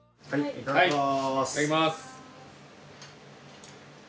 いただきます。